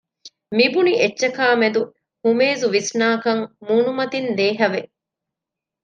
މިބުނި އެއްޗަކާ މެދު ހުމޭޒު ވިސްނާކަން މޫނުމަތިން ދޭހަވެ